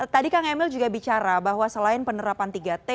tadi kang emil juga bicara bahwa selain penerapan tiga t